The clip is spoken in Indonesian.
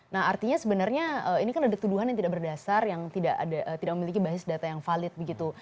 nah artinya sebenarnya ini kan ada tuduhan yang tidak berdasar yang tidak memiliki basis data yang valid begitu